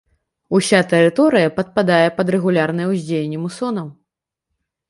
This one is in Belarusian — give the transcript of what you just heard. Уся тэрыторыя падпадае пад рэгулярнае ўздзеянне мусонаў.